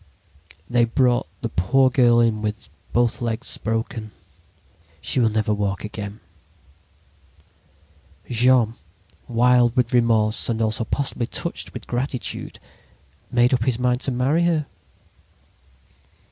"They brought the poor girl in with both legs broken. She will never walk again. "Jean, wild with remorse and also possibly touched with gratitude, made up his mind to marry her.